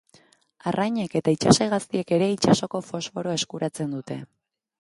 Arrainek eta itsas-hegaztiek ere itsasoko fosforoa eskuratzen dute.